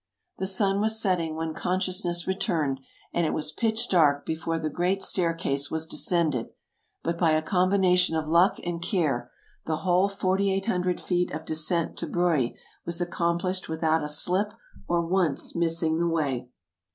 The sun was setting when consciousness returned, and it was pitch dark before the great Staircase was descended; but by a combination of luck and care the whole 4800 feet of descent to Breuil was accomplished without a slip or once missing the way.